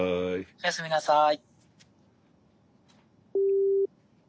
おやすみなさい。